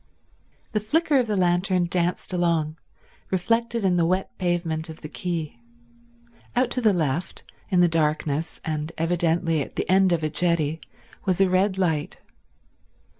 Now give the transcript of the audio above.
The flicker of the lantern danced along, reflected in the wet pavement of the quay. Out to the left, in the darkness and evidently at the end of a jetty, was a red light.